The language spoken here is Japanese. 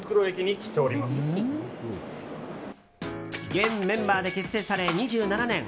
現メンバーで結成され２７年。